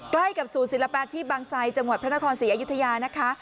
ใกล้กับศูนย์ศิลปาชีพบางไซจังหวัดพระนครศรีอยุธยานะคะ